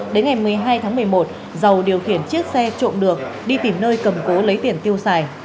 đến ngày một mươi hai tháng một mươi một dầu điều khiển chiếc xe trộm được đi tìm nơi cầm cố lấy tiền tiêu xài